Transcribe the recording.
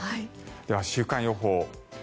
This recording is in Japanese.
では週間予報。